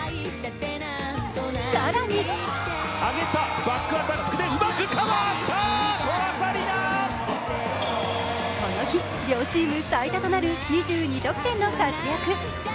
更にこの日両チーム最多となる２２得点の活躍。